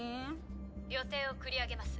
予定を繰り上げます。